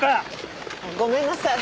ごめんなさい。